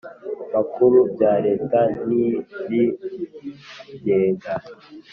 Makuru bya Leta n iby Igenga